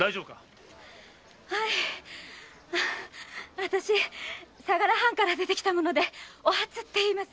わたし相良藩から出てきた者でお初っていいます。